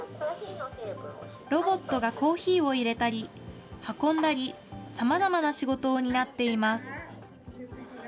ロボットがコーヒーをいれたり、運んだり、さまざまな仕事を担っています。